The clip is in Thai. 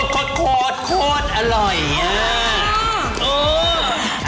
โคตรขอดอร่อยเยอะ